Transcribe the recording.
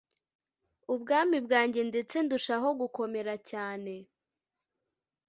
ubwami bwanjye ndetse ndushaho gukomera cyane